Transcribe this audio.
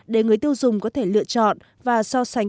để người tiêu dùng có thể lựa chọn và so sánh các dịch vụ